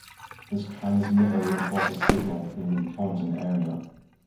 This transmitter reinforces signal in the Taunton area.